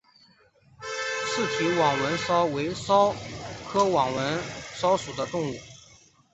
棘体网纹蚤为蚤科网纹蚤属的动物。